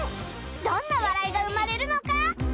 どんな笑いが生まれるのか？